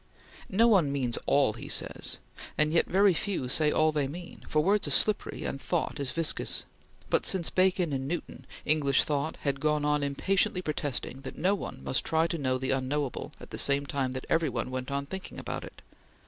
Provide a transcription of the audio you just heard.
No one means all he says, and yet very few say all they mean, for words are slippery and thought is viscous; but since Bacon and Newton, English thought had gone on impatiently protesting that no one must try to know the unknowable at the same time that every one went on thinking about it.